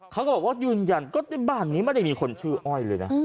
เขาก็บอกว่ายืนยันก็ในบ้านนี้ไม่ได้มีคนชื่ออ้อยเลยนะ